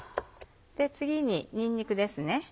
次ににんにくです。